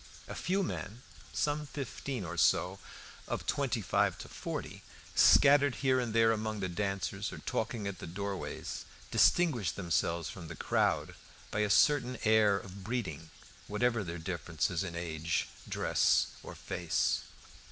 A few men (some fifteen or so), of twenty five to forty, scattered here and there among the dancers or talking at the doorways, distinguished themselves from the crowd by a certain air of breeding, whatever their differences in age, dress, or face.